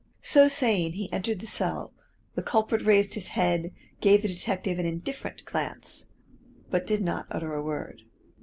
So saying he entered the cell, the culprit raised his head, gave the detective an indifferent glance, but did not utter a word.